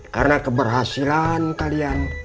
karena keberhasilan kalian